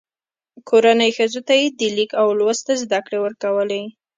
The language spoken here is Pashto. کورنۍ ښځو ته یې د لیک او لوست زده کړې ورکولې.